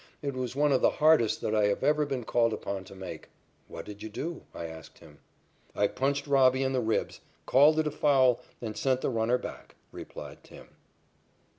It was one of the hardest that I have ever been called upon to make." "What did you do?" I asked him. "I punched 'Robbie' in the ribs, called it a foul and sent the runner back," replied "Tim."